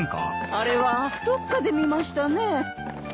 あれはどっかで見ましたね。